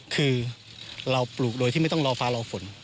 คือเราปลูกโดยที่ไม่ต้องรอฟ้ารอฝน